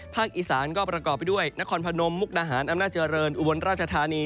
อีสานก็ประกอบไปด้วยนครพนมมุกดาหารอำนาจเจริญอุบลราชธานี